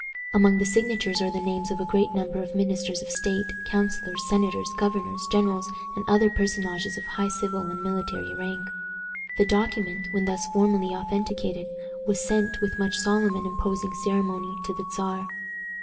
Among the signatures are the names of a great number of ministers of state, counselors, senators, governors, generals, and other personages of high civil and military rank. The document, when thus formally authenticated, was sent, with much solemn and imposing ceremony, to the Czar.